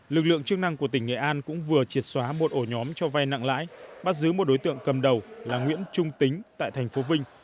lực lượng chức năng của tỉnh nghệ an cũng vừa triệt xóa một ổ nhóm cho vai nặng lãi bắt giữ một đối tượng cầm đầu là nguyễn trung tính tại thành phố vinh